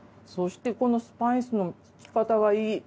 そしてこのスパイスの効き方がいい。